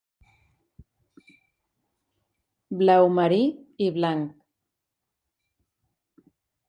Blau marí i blanc.